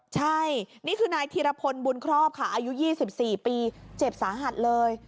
ใช่นี่คือนายธีรพลบุญครอบค่ะอายุ๒๔ปีเจ็บสาหัสเลย